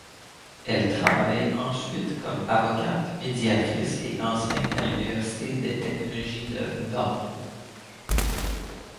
Elle travaille ensuite comme avocate, médiatrice et enseigne à l'Université des technologies de Brno.